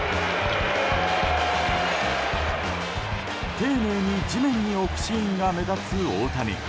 丁寧に地面に置くシーンが目立つ大谷。